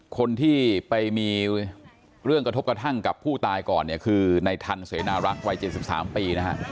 คนที่ไปมีเรื่องกระทบกระทั่งกับผู้ตายก่อนเนี่ยคือในทันเสนารักษ์วัย๗๓ปีนะฮะ